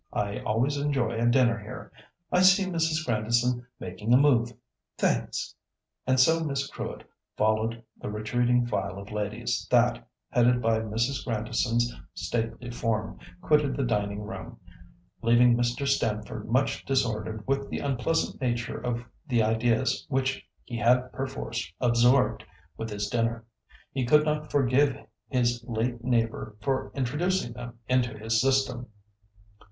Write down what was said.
I always enjoy a dinner here. I see Mrs. Grandison making a move. Thanks!" And so Miss Crewitt followed the retreating file of ladies that, headed by Mrs. Grandison's stately form, quitted the dining room, leaving Mr. Stamford much disordered with the unpleasant nature of the ideas which he had perforce absorbed with his dinner. He could not forgive his late neighbour for introducing them into his system.